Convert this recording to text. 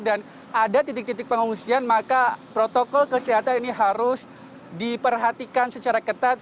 dan ada titik titik pengungsian maka protokol kesehatan ini harus diperhatikan secara ketat